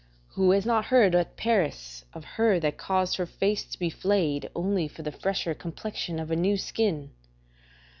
Who has not heard at Paris of her that caused her face to be flayed only for the fresher complexion of a new skin?